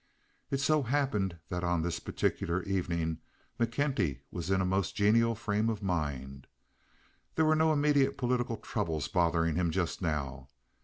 It so happened that on this particular evening McKenty was in a most genial frame of mind. There were no immediate political troubles bothering him just now.